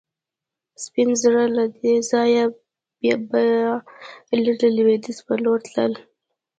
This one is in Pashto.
سپین زر له دې ځایه بیا لرې لوېدیځ په لور تلل.